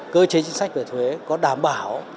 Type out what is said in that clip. cơ chế chính sách về thuế có đảm bảo